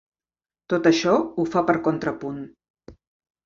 Tot això ho fa per contrapunt.